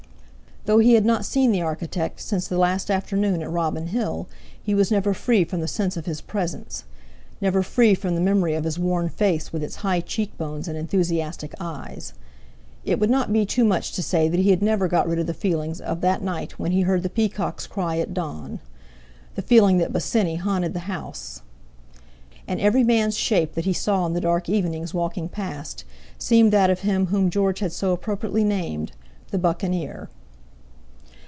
Though he had not seen the architect since the last afternoon at Robin Hill, he was never free from the sense of his presence—never free from the memory of his worn face with its high cheek bones and enthusiastic eyes. It would not be too much to say that he had never got rid of the feeling of that night when he heard the peacock's cry at dawn—the feeling that Bosinney haunted the house. And every man's shape that he saw in the dark evenings walking past, seemed that of him whom George had so appropriately named the Buccaneer.